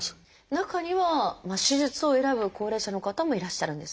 中には手術を選ぶ高齢者の方もいらっしゃるんですか？